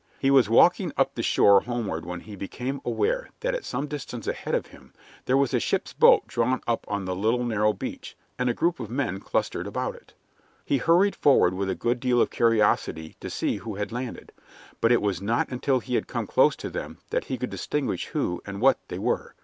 He was walking up the shore homeward when he became aware that at some distance ahead of him there was a ship's boat drawn up on the little narrow beach, and a group of men clustered about it. He hurried forward with a good deal of curiosity to see who had landed, but it was not until he had come close to them that he could distinguish who and what they were.